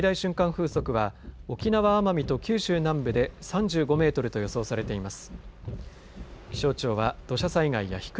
風速は沖縄奄美と九州南部で３５メートルと予想されています。